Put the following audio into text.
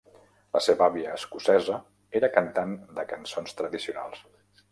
La seva àvia escocesa era cantant de cançons tradicionals.